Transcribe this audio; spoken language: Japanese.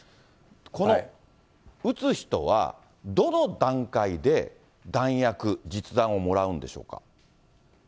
この撃つ人は、どの段階で弾薬、実弾をもらうんでしょうか。